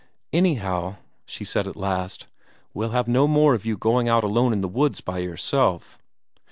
"Anyhow," said she at last, "we'll have no more of you going out alone in the woods by yourself."